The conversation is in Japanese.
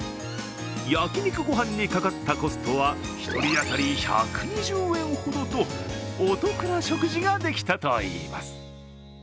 焼肉ごはんにかかったコストは１人あたり１２０円ほどとお得な食事ができたといいます。